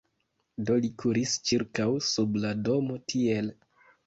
Do li kuris ĉirkaŭ sub la domo tiel: